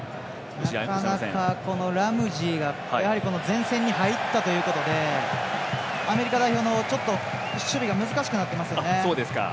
ラムジーが前線に入ったということでアメリカ代表の守備が難しくなってますよね。